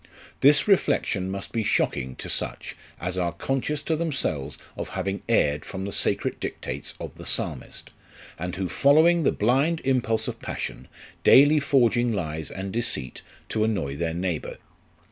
This reflection must be shocking to such, as are conscious to themselves of having erred from the sacred dictates of the Psalmist ; and who following the blind impulse of passion, daily forging lies and deceit, to annoy their neighbour.